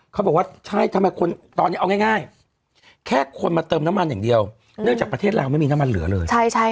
เขาบอกว่าใช่ทำไมคนตอนนี้เอาง่ายแค่คนมาเติมน้ำมันอย่างเดียวเนื่องจากประเทศลาวไม่มีน้ำมันเหลือเลย